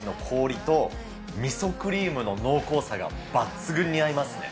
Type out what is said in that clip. だし味の氷と、みそクリームの濃厚さが抜群に合いますね。